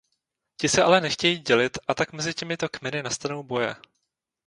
Ti se ale nechtějí dělit a tak mezi těmito kmeny nastanou boje.